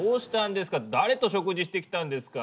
誰と食事してきたんですか？